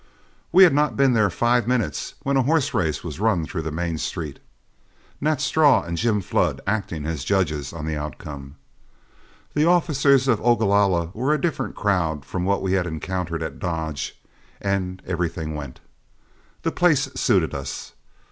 We had not been there five minutes when a horse race was run through the main street, Nat Straw and Jim Flood acting as judges on the outcome. The officers of Ogalalla were a different crowd from what we had encountered at Dodge, and everything went. The place suited us.